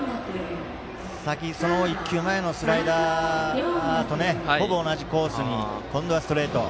前の１球のスライダーとほぼ同じコースに今度はストレート。